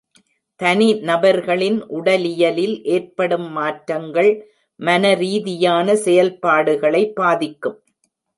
தனிநபர்களின் உடலியலில் ஏற்படும் மாற்றங்கள், மனரீதியான செயல்பாடுகளை பாதிக்கும்.